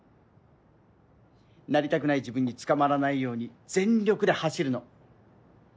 なりたくない自分に捕まらないように全力で走るの。